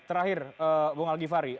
terakhir bung al givhary